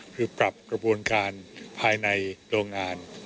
คือปรับกระบวนการภายในโรงงาน